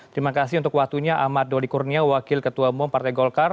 terima kasih untuk waktunya ahmad dodi kurnia wakil ketua umum partai golkar